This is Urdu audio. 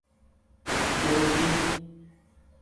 جبوتی